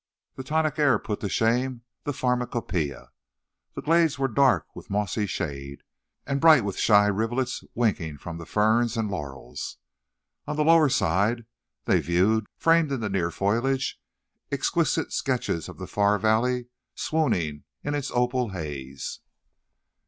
The tonic air put to shame the pharmacopæia. The glades were dark with mossy shade, and bright with shy rivulets winking from the ferns and laurels. On the lower side they viewed, framed in the near foliage, exquisite sketches of the far valley swooning in its opal haze.